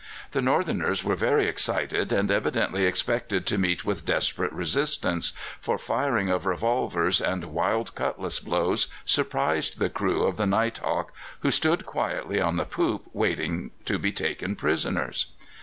The Northerners were very excited, and evidently expected to meet with desperate resistance, for firing of revolvers and wild cutlass blows surprised the crew of the Night Hawk, who stood quietly on the poop waiting to be taken prisoners.